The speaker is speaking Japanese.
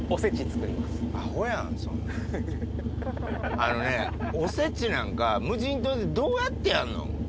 あのねおせちなんか無人島でどうやってやんの？